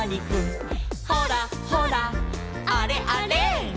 「ほらほらあれあれ」